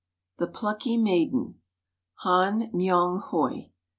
XIX THE PLUCKY MAIDEN [Han Myong hoi.